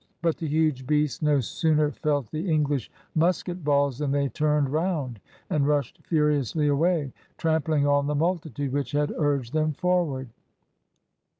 But the huge beasts no sooner felt the English musket balls than they turned round, and rushed furi ously away, trampling on the multitude which had urged them forward.